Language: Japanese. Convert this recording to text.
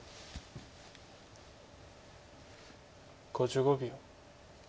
５５秒。